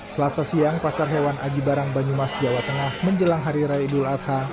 selasa siang pasar hewan aji barang banyumas jawa tengah menjelang hari raya idul adha